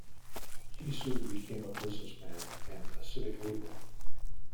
He soon became a businessman and a civic leader.